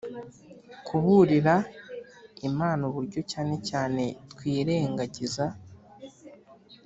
kuburira imana uburyo cyane cyane twirengagiza